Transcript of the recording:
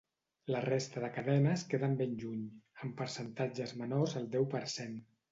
La resta de cadenes queden ben lluny, amb percentatges menors al deu per cent.